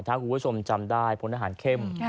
ถ้าคุณผู้ชมจำได้พลทหารเข้ม